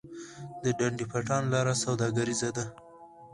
د ډنډ پټان لاره سوداګریزه ده